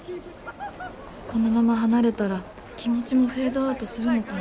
このまま離れたら気持ちもフェードアウトするのかな